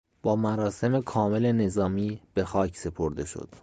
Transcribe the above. با مراسم کامل نظامی بخاک سپرده شد.